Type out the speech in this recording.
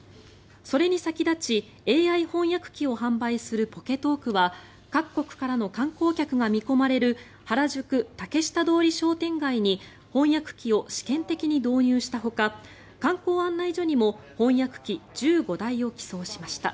それに先立ち、ＡＩ翻訳機を販売するポケトークは各国からの観光客が見込まれる原宿・竹下通り商店街に翻訳機を試験的に導入したほか観光案内所にも翻訳機１５台を寄贈しました。